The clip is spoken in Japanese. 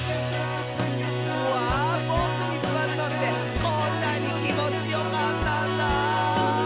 「うわボクにすわるのってこんなにきもちよかったんだ」